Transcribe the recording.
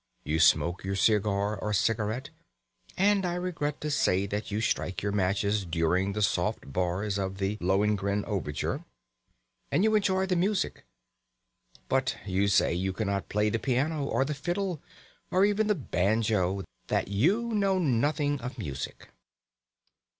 You smoke your cigar or cigarette (and I regret to say that you strike your matches during the soft bars of the "Lohengrin" overture), and you enjoy the music. But you say you cannot play the piano or the fiddle, or even the banjo; that you know nothing of music.